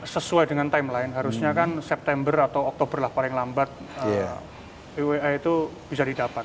sesuai dengan timeline harusnya kan september atau oktober lah paling lambat e wa itu bisa didapat